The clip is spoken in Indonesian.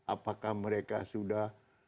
apakah mereka sudah